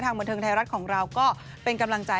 บันเทิงไทยรัฐของเราก็เป็นกำลังใจ